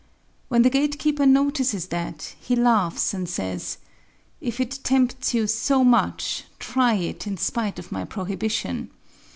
When the gatekeeper notices that, he laughs and says: "If it tempts you so much, try it in spite of my prohibition.